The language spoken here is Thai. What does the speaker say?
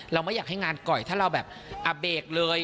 เราไม่อยากให้งานก่อยถ้าเราแบบอเบกเลย